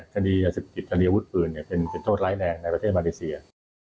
ทะลีศักดิ์ทะลีพวกปืนเป็นโทษไร้แรงในประเทศมารีเซีย